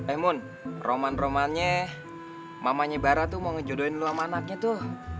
eh mum roman romannya mamanya bara tuh mau ngejodohin lo sama anaknya tuh